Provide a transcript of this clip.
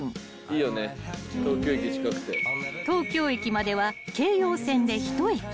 ［東京駅までは京葉線で１駅］